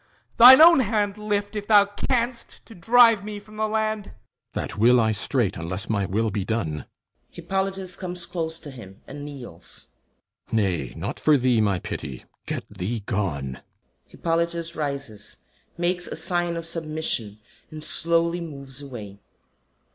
Thine own hand Lift, if thou canst, to drive me from the land. THESEUS That will I straight, unless my will be done! [HIPPOLYTUS comes close to him and kneels.] Nay! Not for thee my pity! Get thee gone! [HIPPOLYTUS _rises, makes a sign of submission, and slowly moves away.